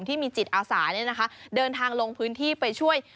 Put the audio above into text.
ที่มีจิตอาสาเนี่ยนะคะเดินทางลงพื้นที่ไปช่วย